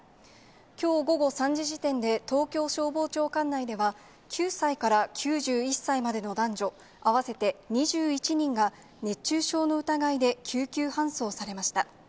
きょう午後３時時点で、東京消防庁管内では、９歳から９１歳までの男女合わせて２１人が、熱中症の疑いで救急搬送されました。